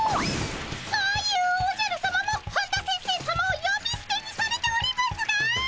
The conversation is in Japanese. そういうおじゃるさまも本田先生さまをよびすてにされておりますが！